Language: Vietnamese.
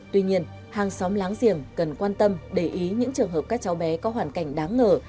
tuy nhiên hàng xóm láng giềng cần quan tâm để ý những trường hợp các cháu bé có hoàn cảnh đáng ngờ